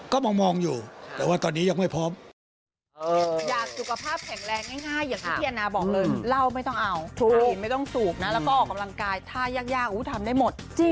ก็มองอยู่แต่ว่าตอนนี้ยังไม่พร้อม